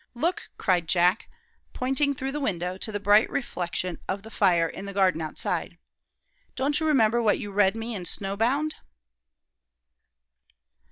"Look!" cried Jack, pointing through the window to the bright reflection of the fire in the garden outside. "Don't you remember what you read me in 'Snowbound?'